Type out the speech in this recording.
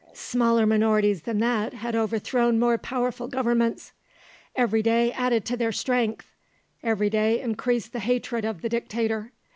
Smaller minorities than that had overthrown more powerful Governments. Every day added to their strength; every day increased the hatred of the Dictator.